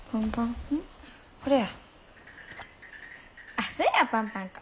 あっそれやパンパン粉。